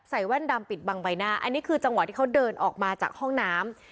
แว่นดำปิดบังใบหน้าอันนี้คือจังหวะที่เขาเดินออกมาจากห้องน้ำ